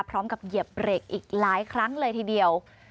เหยียบเบรกอีกหลายครั้งเลยทีเดียว